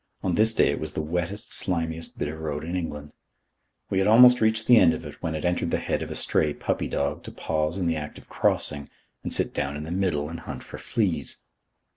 On this day it was the wettest, slimiest bit of road in England. We had almost reached the end of it, when it entered the head of a stray puppy dog to pause in the act of crossing and sit down in the middle and hunt for fleas.